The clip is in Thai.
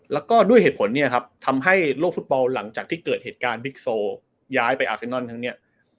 แล้วก็ด้วยเหตุผลเนี่ยครับทำให้โลกฟุตบอลหลังจากที่เกิดเหตุการณ์บิ๊กโซย้ายไปอาเซนอนครั้งนี้